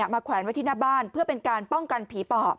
แขวนไว้ที่หน้าบ้านเพื่อเป็นการป้องกันผีปอบ